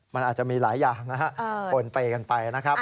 มันอาจจะมีหลายอย่างนะครับปนเปย์กันไปนะครับ